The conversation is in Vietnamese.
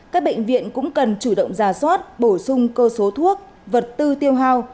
các bệnh viện cũng cần chủ động giả soát bổ sung cơ số thuốc vật tư tiêu hào